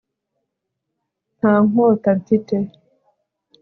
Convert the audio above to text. nta nkota mfite